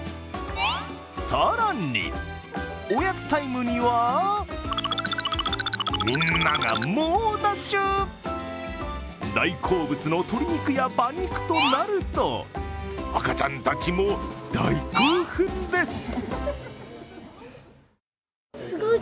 更に、おやつタイムには大好物の鶏肉や馬肉となると赤ちゃんたちも大興奮です。